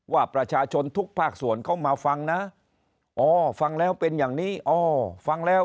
ว่าประชาชนทุกภาคส่วนเข้ามาฟังนะ